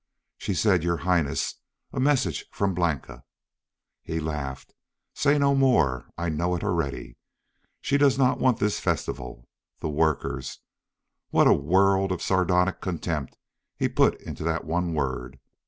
She said, "Your Highness, a message from Blanca." He laughed. "Say no more! I know it already! She does not want this festival. The workers," what a world of sardonic contempt he put into that one word!